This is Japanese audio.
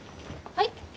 はい？